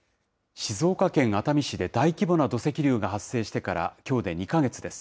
静岡県熱海市で大規模な土石流が発生してからきょうで２か月です。